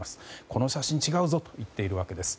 この写真、違うぞと言っているわけです。